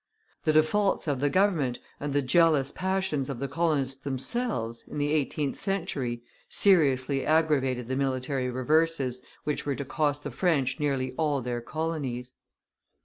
The defaults of the government and the jealous passions of the colonists themselves, in the eighteenth century, seriously aggravated the military reverses which were to cost the French nearly all their colonies.